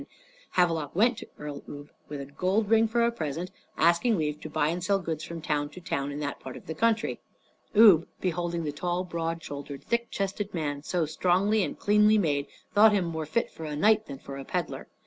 Havelok went to Earl Ubbe, with a gold ring for a present, asking leave to buy and sell goods from town to town in that part of the country. Ubbe, beholding the tall, broad shouldered, thick chested man, so strong and cleanly made, thought him more fit for a knight than for a peddler.